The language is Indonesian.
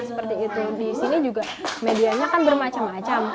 seperti itu di sini juga medianya kan bermacam macam